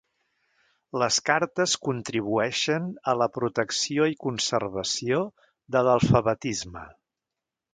Les cartes contribueixen a la protecció i conservació de l'alfabetisme.